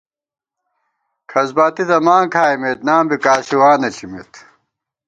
کھسباتی تہ ماں کھائیمېت نام بی کاسِوانہ ݪِمېت